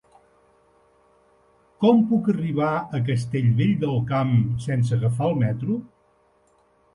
Com puc arribar a Castellvell del Camp sense agafar el metro?